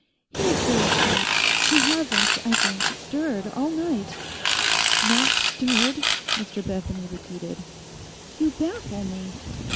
'He is still asleep. He hasn't, I think, stirred all night.' 'Not stirred!' Mr Bethany repeated. 'You baffle me.